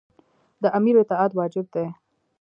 د امیر اطاعت واجب دی.